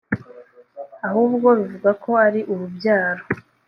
ahubwo bivuga ko ari urubyaro